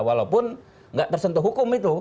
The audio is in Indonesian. walaupun nggak tersentuh hukum itu